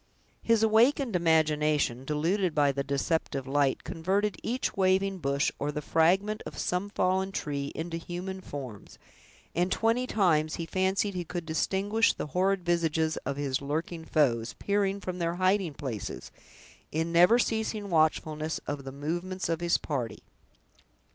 His awakened imagination, deluded by the deceptive light, converted each waving bush, or the fragment of some fallen tree, into human forms, and twenty times he fancied he could distinguish the horrid visages of his lurking foes, peering from their hiding places, in never ceasing watchfulness of the movements of his party.